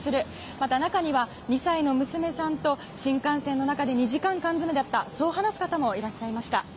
また中には２歳の娘さんと新幹線の中で２時間缶詰だったと話す方もいらっしゃいました。